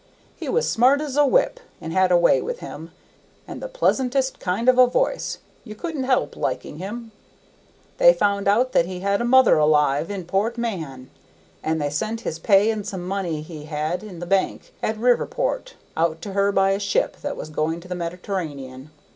He was smart as a whip, and had a way with him, and the pleasantest kind of a voice; you couldn't help liking him. They found out that he had a mother alive in Port Mahon, and they sent his pay and some money he had in the bank at Riverport out to her by a ship that was going to the Mediterranean.